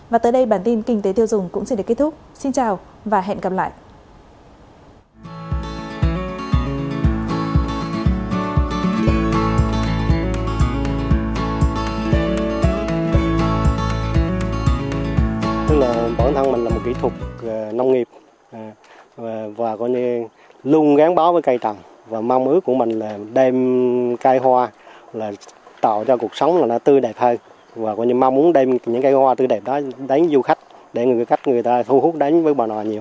và tới đây bản tin kinh tế tiêu dùng cũng sẽ được kết thúc xin chào và hẹn gặp lại